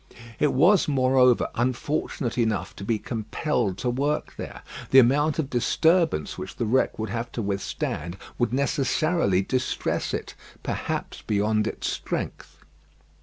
It was, moreover, unfortunate enough to be compelled to work there. The amount of disturbance which the wreck would have to withstand would necessarily distress it, perhaps beyond its strength.